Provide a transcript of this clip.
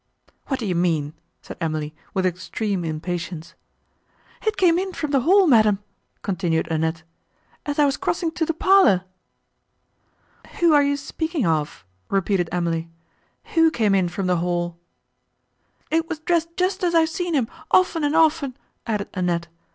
"Who do you mean?" said Emily, with extreme impatience. "It came in from the hall, madam," continued Annette, "as I was crossing to the parlour." "Who are you speaking of?" repeated Emily, "Who came in from the hall?" "It was dressed just as I have seen him, often and often," added Annette.